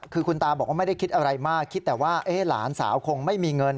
คือคุณตาบอกว่าไม่ได้คิดอะไรมากคิดแต่ว่าหลานสาวคงไม่มีเงิน